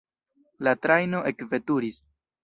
La trajno ekveturis.